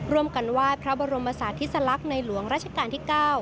ร่วมกันไหว้พระบรมศาสติสลักษณ์ในหลวงราชการที่๙